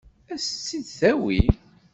Ad s-tt-id-tawi?